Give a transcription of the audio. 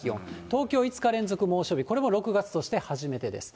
東京５日連続猛暑日、これも６月として初めてです。